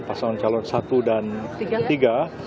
pasangan calon satu dan tiga